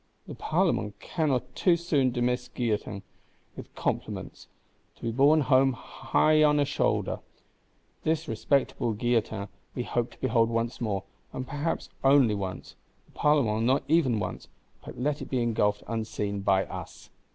The Parlement cannot too soon dismiss Guillotin, with compliments; to be borne home shoulder high. This respectable Guillotin we hope to behold once more, and perhaps only once; the Parlement not even once, but let it be engulphed unseen by us.